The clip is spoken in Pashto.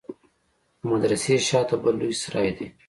د مدرسې شا ته بل لوى سراى دى.